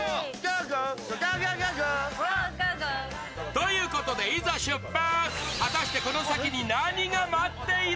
ということでいざ、出発。